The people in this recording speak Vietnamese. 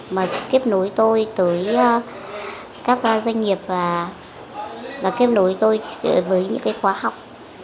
mà kết nối tôi tới các doanh nghiệp và kết nối tôi với những cái khóa học